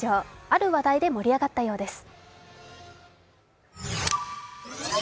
ある話題で盛り上がったようです。